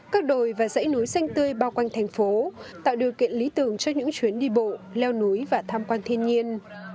các đồi và dãy núi xanh tươi bao quanh thành phố tạo điều kiện lý tưởng cho những chuyến đi bộ leo núi và tham quan thiên nhiên